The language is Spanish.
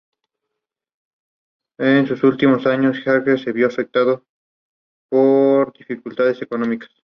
Paris, y Red Eleven Models New Zealand.